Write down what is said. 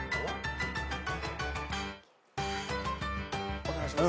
お願いします。